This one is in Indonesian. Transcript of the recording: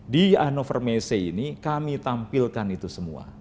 di hannover messe ini kami tampilkan itu semua